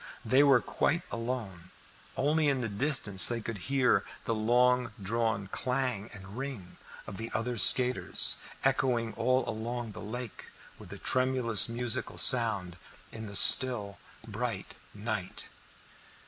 They were quite alone, only in the distance they could hear the long drawn clang and ring of the other skaters, echoing all along the lake with a tremulous musical sound in the still bright night.